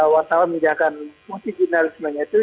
wartawan menjalankan fungsi jurnalismenya itu